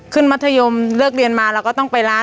มัธยมเลิกเรียนมาเราก็ต้องไปร้าน